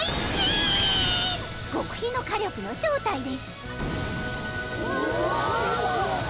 極秘の火力の正体ですうわ！